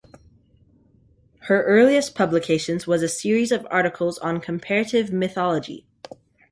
Her earliest publications was a series of articles on comparative mythology.